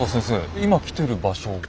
今来てる場所が。